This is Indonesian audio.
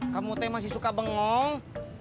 kamu teh masih suka bengong